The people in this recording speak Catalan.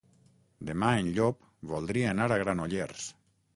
Demà en Llop voldria anar a Granollers.